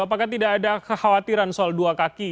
apakah tidak ada kekhawatiran soal dua kaki